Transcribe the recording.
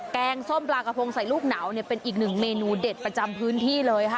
งส้มปลากระพงใส่ลูกหนาวเนี่ยเป็นอีกหนึ่งเมนูเด็ดประจำพื้นที่เลยค่ะ